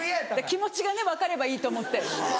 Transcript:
気持ちが分かればいいと思って。